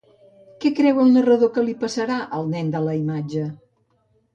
Què creu el narrador que li passarà al nen de la imatge?